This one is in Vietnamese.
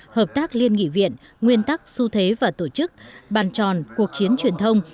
hợp tác liên nghị viện nguyên tắc su thế và tổ chức bàn tròn cuộc chiến truyền thông